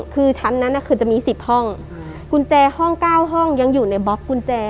คือชั้นนั้นคือจะมี๑๐ห้องกุญแจห้อง๙ห้องยังอยู่ในบล็อกกุญแจ